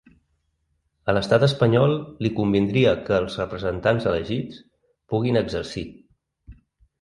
A l’estat espanyol li convindria que els representants elegits puguin exercir.